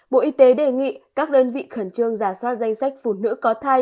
bộ y tế đề nghị các đơn vị khẩn trương giả soát danh sách phụ nữ có thai